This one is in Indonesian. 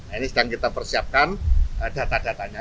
ini sedang kita persiapkan data datanya